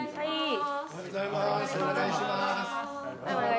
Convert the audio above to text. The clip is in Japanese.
はい。